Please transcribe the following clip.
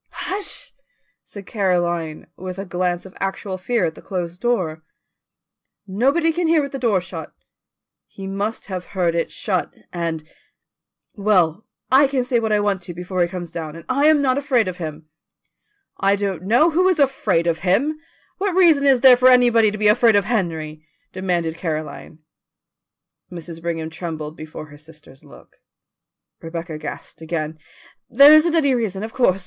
"Hush!" said Caroline, with a glance of actual fear at the closed door. "Nobody can hear with the door shut." "He must have heard it shut, and " "Well, I can say what I want to before he comes down, and I am not afraid of him." "I don't know who is afraid of him! What reason is there for anybody to be afraid of Henry?" demanded Caroline. Mrs. Brigham trembled before her sister's look. Rebecca gasped again. "There isn't any reason, of course.